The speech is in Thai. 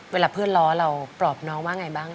เวลาเพื่อนล้อเราปลอบน้องว่าไงบ้าง